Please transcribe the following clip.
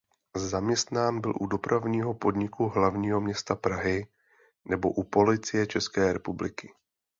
Zaměstnán byl u Dopravního podniku hlavního města Prahy nebo u policie České republiky.